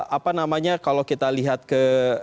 apa namanya kalau kita lihat ke